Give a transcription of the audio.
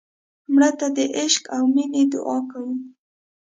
مړه ته د عشق او مینې دعا کوو